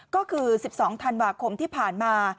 ก็คือ๑๒ธันวาคมที่ผ่านมา